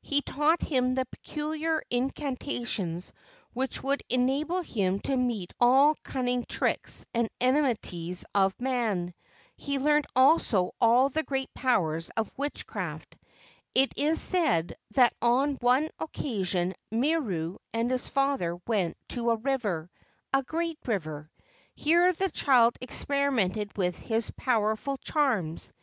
He taught him the peculiar incantations which would enable him to meet all cunning tricks and enmities of man. He learned also all the great powers of witchcraft. It is said that on one occasion Miru and his father went to a river, a great river. Here the child experimented with his power¬ ful charms.